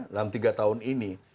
dalam tiga tahun ini